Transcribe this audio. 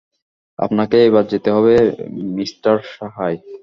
আপনাকে এবার যেতেই হবে মিস্টার সাহায়।